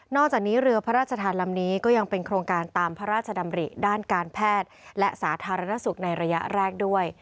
จากนี้เรือพระราชทานลำนี้ก็ยังเป็นโครงการตามพระราชดำริด้านการแพทย์และสาธารณสุขในระยะแรกด้วย